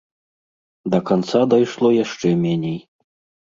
Да канца дайшло яшчэ меней.